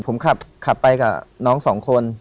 ผมขับไปกับน้องสองคน